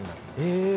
へえ。